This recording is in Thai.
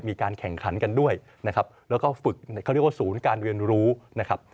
มีการแข่งขันกันด้วยนะครับแล้วก็ฝึกเขาเรียกว่าศูนย์การเรียนรู้นะครับ